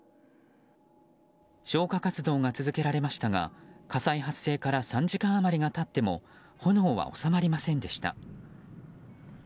消火活動が続けられましたが火災発生から３時間余りが経っても炎は収まりませんでした。